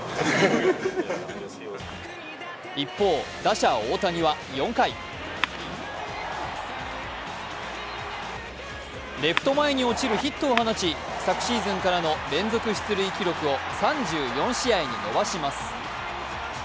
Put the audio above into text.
一方、打者・大谷は４回、レフト前にヒットを放ち昨シーズンからの連続出塁記録を３４試合に伸ばします。